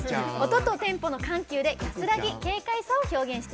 音とテンポの緩急で安らぎ、軽快さを表現。